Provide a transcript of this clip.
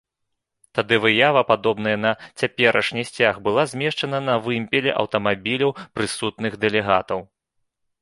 Тады выява, падобная на цяперашні сцяг была змешчана на вымпелы аўтамабіляў прысутных дэлегатаў.